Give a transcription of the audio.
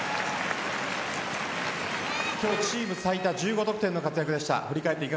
今日チーム最多１５得点の活躍でした。